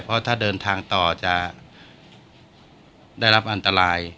เพราะถ้าเดินทางต่อจะได้รับอันตราย